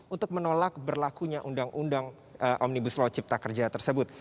untuk menolak berlakunya undang undang omnibus law cipta kerja tersebut